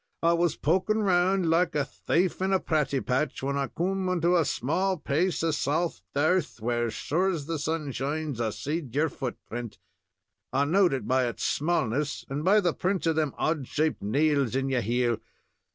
I was pokin" round like a thaif in a pratie patch, when I coom onto a small paice of soft airth, where, as sure as the sun shines, I seed your footprint. I knowed it by its smallness, and by the print of them odd shaped nails in your heel.